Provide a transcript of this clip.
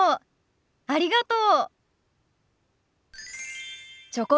ありがとう。